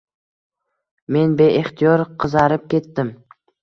Men beixtiyor qizarib ketdim